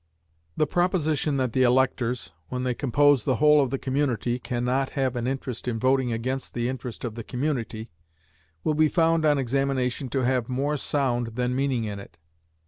"The proposition that the electors, when they compose the whole of the community, can not have an interest in voting against the interest of the community, will be found, on examination, to have more sound than meaning in it.